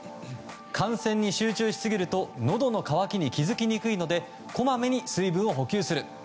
観戦に集中しすぎるとのどの渇きに気づきにくいのでこまめに水分を補給する。